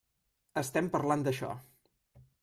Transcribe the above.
Estem parlant d'això.